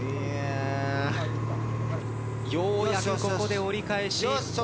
ようやくここで折り返し。